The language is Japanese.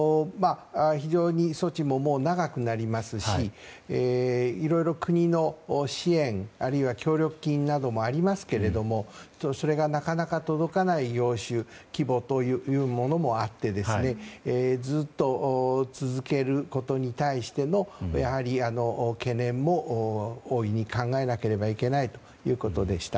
措置も長くなりますしいろいろ国の支援あるいは協力金などもありますけれどもそれがなかなか届かない業種規模というものもあってずっと続けることに対してもやはり、懸念も大いに考えなければいけないということでした。